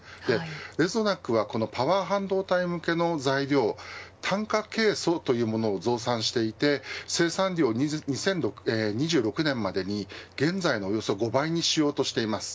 レゾナックはこのパワー半導体向けの材料炭化ケイ素というものを増産していて生産量を２０２６年までに現在のおよそ５倍にしようとしています。